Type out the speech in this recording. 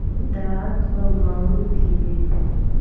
اطاعت په معروف کې دی